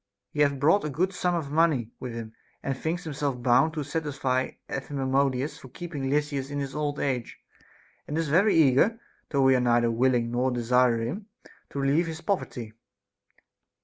He hath brought a good sum of money with him, and thinks himself bound to satisfy Epaminondas for keeping Lysis in his old age ; and is very eager, though we are neither willing nor desire him, to relieve his poverty.